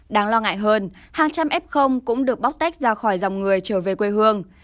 đáng lo ngại hơn hàng trăm f cũng được bóc tách ra khỏi dòng người trở về quê hương